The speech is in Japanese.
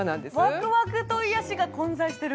ワクワクと癒しが混在してる？